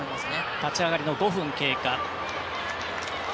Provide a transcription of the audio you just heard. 立ち上がりの５分経過。